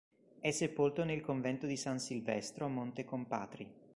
È sepolto nel convento di San Silvestro a Monte Compatri.